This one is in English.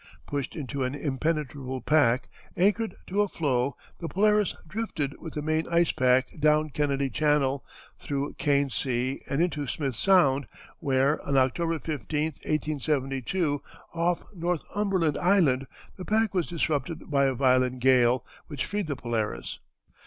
Pushed into an impenetrable pack, anchored to a floe, the Polaris drifted with the main ice pack down Kennedy Channel, through Kane Sea, and into Smith Sound, where, on October 15, 1872, off Northumberland Island, the pack was disrupted by a violent gale, which freed the Polaris.